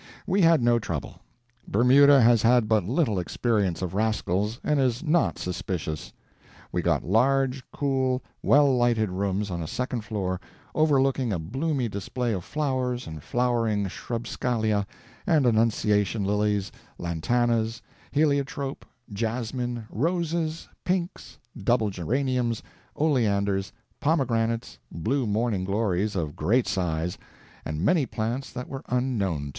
We had no trouble. Bermuda has had but little experience of rascals, and is not suspicious. We got large, cool, well lighted rooms on a second floor, overlooking a bloomy display of flowers and flowering shrubscalia and annunciation lilies, lantanas, heliotrope, jasmine, roses, pinks, double geraniums, oleanders, pomegranates, blue morning glories of a great size, and many plants that were unknown to me.